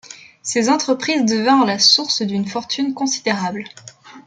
Ces entreprises devinrent la source d'une fortune considérable.